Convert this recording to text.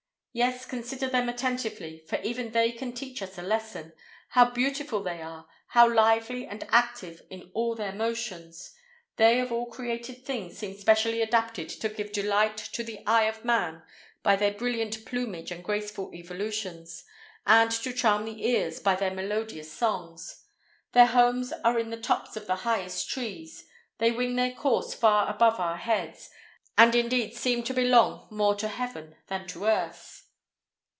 '—'Yes, consider them attentively, for even they can teach us a lesson. How beautiful they are! how lively and active in all their motions! They of all created things seem specially adapted to give delight to the eye of man by their brilliant plumage and graceful evolutions, and to charm his ears by their melodious songs. Their homes are in the tops of the highest trees; they wing their course far up above our heads, and indeed seem to belong more to heaven than to earth.